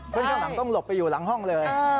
ข้างหลังต้องหลบไปอยู่หลังห้องเลย